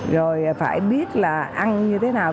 rồi phải biết là ăn như thế nào